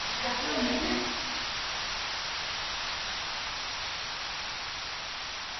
დიპლომატმა გრაფმა მიხეილ ვორონცოვმა მრავალ, სხვადასხვა სახის კულტურულ წამოწყებას ჩაუყარა საფუძველი.